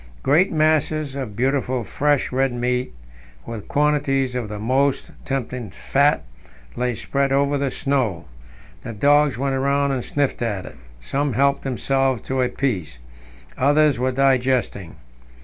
Great masses of beautiful fresh, red meat, with quantities of the most tempting fat, lay spread over the snow. The dogs went round and sniffed at it. Some helped themselves to a piece; others were digesting.